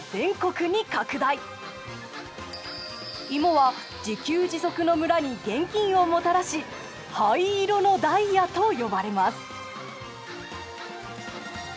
芋は自給自足の村に現金をもたらし「灰色のダイヤ」と呼ばれます。